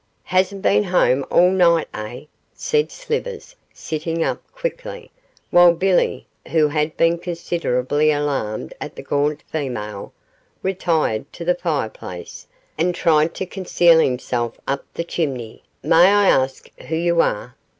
'Hasn't been home all night, eh?' said Slivers, sitting up quickly, while Billy, who had been considerably alarmed at the gaunt female, retired to the fireplace, and tried to conceal himself up the chimney. 'May I ask who you are?